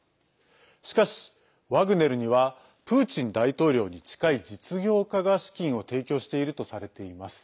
しかし、ワグネルにはプーチン大統領に近い実業家が資金を提供しているとされています。